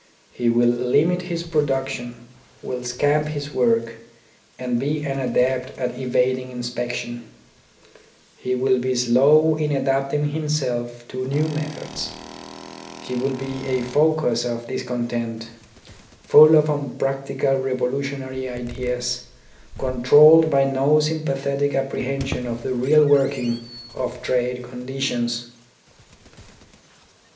He will limit his production, will scamp his work, and be an adept at evading inspection; he will be slow in adapting himself 32 THE ORGANISATION OF THOUGHT to new methods ; he will be a focus of discontent, full of unpractical revolutionary ideas, controlled by no sympathetic apprehension of the real working of trade conditions.